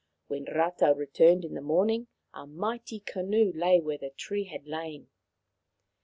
When Rata returned in the morning a mighty canoe lay where the tree had lain.